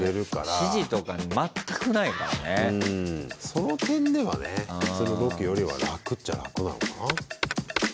その点ではね普通のロケよりは楽っちゃ楽なのかな？